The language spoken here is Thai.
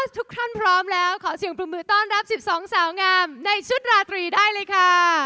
ทุกท่านพร้อมแล้วขอเสียงปรบมือต้อนรับ๑๒สาวงามในชุดราตรีได้เลยค่ะ